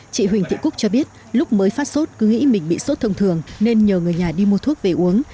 chị huỳnh thị cúc cho biết lúc mới phát sốt cứ nghĩ mình bị sốt thông thường nên nhờ người nhà đi mua thuốc về uống